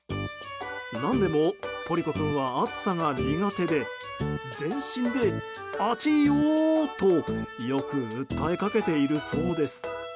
何でもポリコ君は暑さが苦手で全身で、あちよとよく訴えかけているそうです。